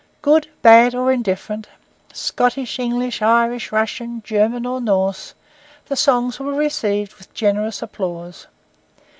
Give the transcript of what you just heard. Good, bad, or indifferent—Scottish, English, Irish, Russian, German or Norse,—the songs were received with generous applause.